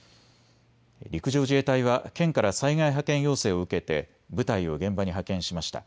陸上自衛隊は県から災害派遣要請を受けて部隊を現場に派遣しました。